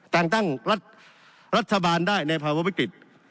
แต่งตั้งรัฐบาลได้ในภาวะวิกฤต